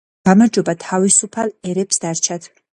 გამარჯვება თავისუფალ ერებს დარჩათ.